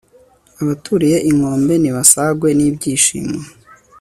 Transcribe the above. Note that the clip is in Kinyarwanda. abaturiye inkombe nibasagwe n'ibyishimo